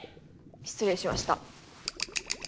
失礼しました。